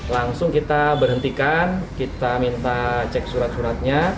langsung kita berhentikan kita minta cek surat suratnya